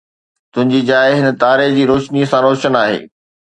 تنهنجي جاءِ هن تاري جي روشنيءَ سان روشن آهي